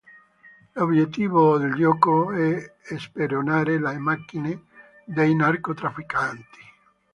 L'obiettivo del gioco è speronare le macchine dei narcotrafficanti.